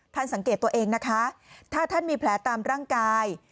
สังเกตตัวเองนะคะถ้าท่านมีแผลตามร่างกาย